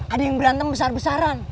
ada yang berantem besar besaran